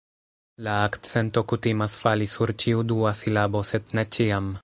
La akcento kutimas fali sur ĉiu dua silabo sed ne ĉiam